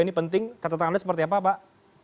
ini penting kata katanya seperti apa pak